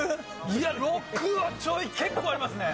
いや６はちょい結構ありますね。